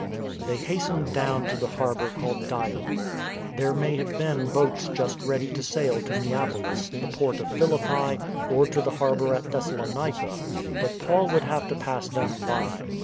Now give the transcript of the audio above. They hastened down to the harbour called Dium. There may have been boats just ready ,to sail to Neapolis, the port of Philippi, or to the har bour at Thessalonica; but Paul would have to pass them by.